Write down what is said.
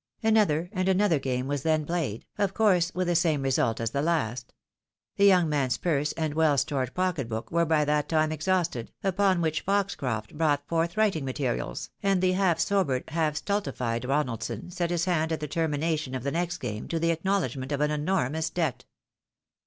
Another, and another game was then played, of course with the same result asthe last. The young man's purse and weU stored pocket book were by that time exhausted, upon which Foxcroft brought forth writing materials, and the half sobered, half stultified Ronaldson set his hand at the termination of the next game to the acknowledgment of an enormous debt.